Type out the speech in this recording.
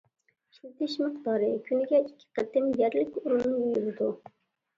ئىشلىتىش مىقدارى: كۈنىگە ئىككى قېتىم، يەرلىك ئورۇن يۇيۇلىدۇ.